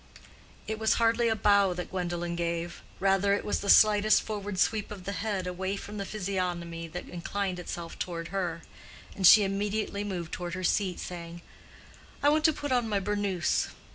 It was hardly a bow that Gwendolen gave—rather, it was the slightest forward sweep of the head away from the physiognomy that inclined itself toward her, and she immediately moved toward her seat, saying, "I want to put on my burnous."